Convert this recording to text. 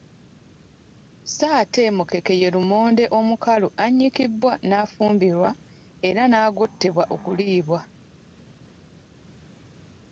Sso ate mukeke ye lumonde omukalu annyikibwa n’afumbibwa era n’agottebwa okuliibwa.